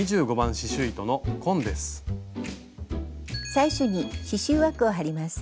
最初に刺しゅう枠を張ります。